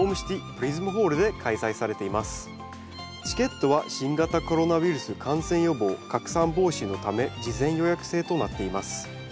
チケットは新型コロナウイルス感染予防拡散防止のため事前予約制となっています。